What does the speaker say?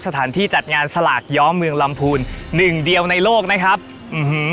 สถานที่จัดงานสลากย้อมเมืองลำพูนหนึ่งเดียวในโลกนะครับอื้อหือ